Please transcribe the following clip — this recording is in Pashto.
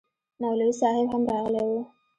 مولوي صاحب هم راغلی و